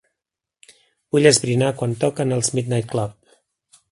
Vull esbrinar quan toquen els Midnight Club.